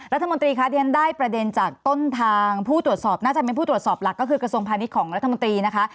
รัฐมนตรีคะที่ฉันได้ประเด็นจากต้นทางผู้ตรวจสอบน่าจะเป็นผู้ตรวจสอบหลักก็คือกระทรวงพาณิชย์ของรัฐมนตรีนะคะ